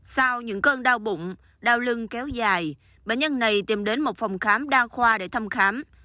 sau những cơn đau bụng đau lưng kéo dài bệnh nhân này tìm đến một phòng khám đa khoa để thăm khám